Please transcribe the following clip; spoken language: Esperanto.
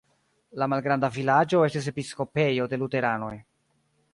La malgranda vilaĝo estis episkopejo de luteranoj.